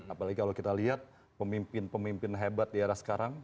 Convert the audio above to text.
apalagi kalau kita lihat pemimpin pemimpin hebat di era sekarang